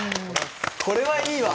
これはいいわ。